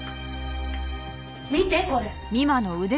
見てこれ。